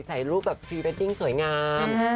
ใส่รูปแบบพรีเวดดิ้งสวยงาม